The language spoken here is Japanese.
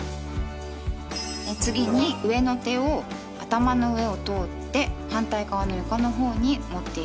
次に上の手を頭の上を通って反対側の床の方に持っていきます。